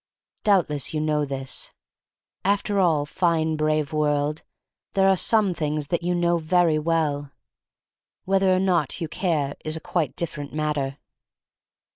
Doubtless you know this. After all, fine brave world, there are some things that you know very well. Whether or not you care is a quite different matter.